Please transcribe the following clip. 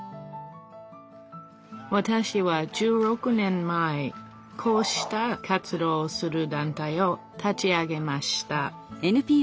わたしは１６年前こうした活動をする団体を立ち上げました。